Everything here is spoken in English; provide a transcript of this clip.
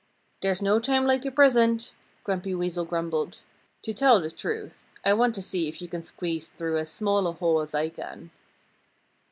"There's no time like the present," Grumpy Weasel grumbled. "To tell the truth, I want to see if you can squeeze through as small a hole as I can."